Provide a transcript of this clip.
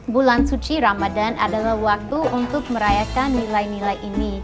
bulan suci ramadan adalah waktu untuk merayakan nilai nilai ini